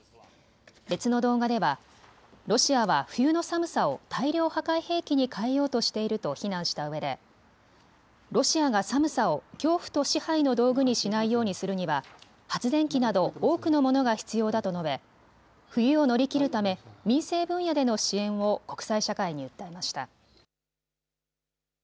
別の動画ではロシアは冬の寒さを大量破壊兵器に変えようとしていると非難したうえでロシアが寒さを恐怖と支配の道具にしないようにするには発電機など多くのものが必要だと述べ、冬を乗り切るため、民生分野での支援を国際社会に訴えました。